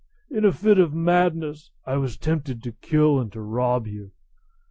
In a fit of madness I was tempted to kill and rob you.